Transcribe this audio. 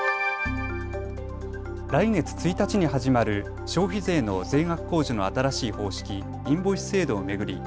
来月１日に始まる消費税の税額控除の新しい方式、インボイス制度を巡り